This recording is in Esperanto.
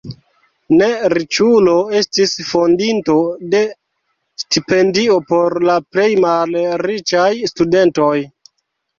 Ne riĉulo estis fondinto de stipendio por la plej malriĉaj studentoj.